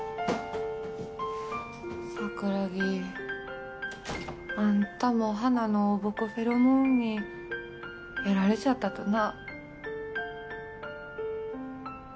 桜木あんたも花のおぼこフェロモンにやられちゃったとな？